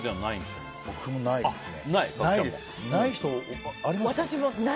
僕、ないですね。